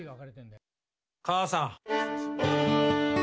母さん。